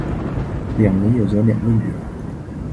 两人有着两个女儿。